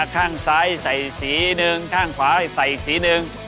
ข้างซ้ายใส่สีหนึ่งข้างขวาใส่อีกสีหนึ่ง